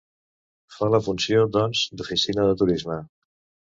Fa la funció, doncs, d'oficina de turisme.